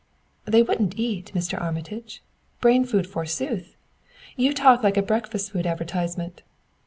"They wouldn't eat, Mr. Armitage. Brain food forsooth! You talk like a breakfast food advertisement.